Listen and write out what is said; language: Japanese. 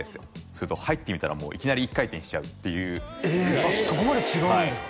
すると入ってみたらもういきなり１回転しちゃうっていうぐらいそこまで違うんですか